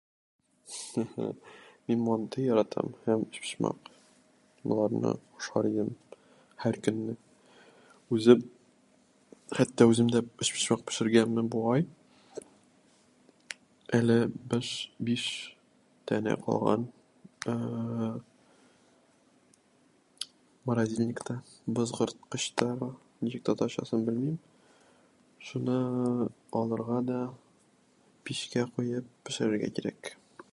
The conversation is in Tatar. Хехе, мин манты яратам һәм өчпочмак. Боларны ашар идем һәр көнне. Үзем, хәтта үзем дә өчпочмак пешергәнмен бугай. Әле беш... биш данә калган, ә-ә-ә, морозильниктә, бозгырткычта (ничек татарчасы, белмим). Шуны алырга да, пичкә куеп пешерергә кирәк.